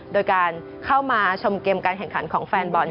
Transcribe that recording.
โดยการเข้ามาชมเกมการแข่งขันของแฟนบอล